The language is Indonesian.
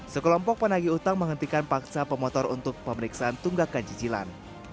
sekelompok penagih utang menghentikan paksa pemotor untuk pemeriksaan tunggakan cicilan